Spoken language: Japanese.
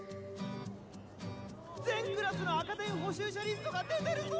全クラスの赤点補習者リストが出てるぞ！